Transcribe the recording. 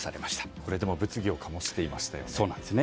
これは物議を醸していましたよね。